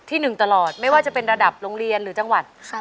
ที่๑ตลอดไม่ว่าจะเป็นระดับลงเรียนลดือกับจังหวัด